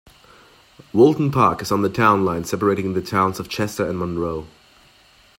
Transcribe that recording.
Walton Park is on the town line separating the towns of Chester and Monroe.